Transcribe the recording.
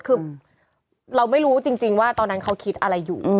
คือเราไม่รู้จริงว่าตอนนั้นเขาคิดอะไรอยู่